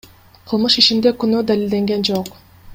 Кылмыш ишинде күнөө далилденген жок.